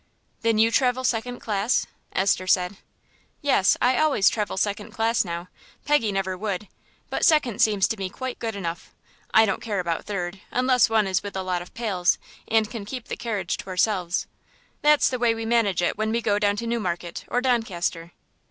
"Then you travel second class?" Esther said. "Yes, I always travel second class now; Peggy never would, but second seems to me quite good enough. I don't care about third, unless one is with a lot of pals, and can keep the carriage to ourselves. That's the way we manage it when we go down to Newmarket or Doncaster."